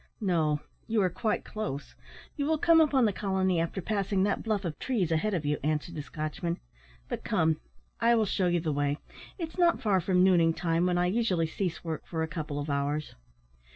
"No; you are quite close. You will come upon the colony after passing that bluff of trees ahead of you," answered the Scotchman; "but come, I will shew you the way; it is not far from nooning time, when I usually cease work for a couple of hours."